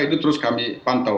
itu terus kami pantau